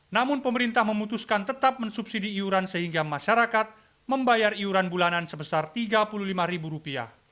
namun pemerintah memutuskan tetap mensubsidi iuran sehingga masyarakat membayar iuran bulanan sebesar rp tiga puluh lima